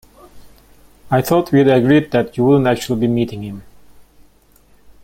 I thought we'd agreed that you wouldn't actually be meeting him?